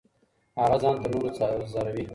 هغه ځان تر نورو ځاروي.